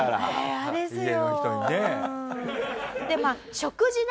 嫌ですよ。